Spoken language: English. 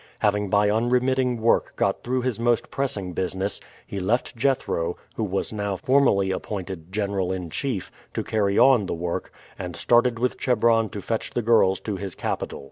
Having by unremitting work got through his most pressing business, he left Jethro, who was now formally appointed general in chief, to carry on the work, and started with Chebron to fetch the girls to his capital.